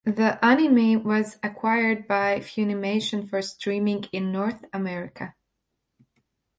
The anime was acquired by Funimation for streaming in North America.